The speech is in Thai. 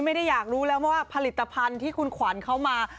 ไม่ได้อยากรู้แล้วว่าผลิตภัณฑ์ที่คุณขวัญเขามา